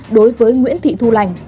đối với nguyễn thị thu lành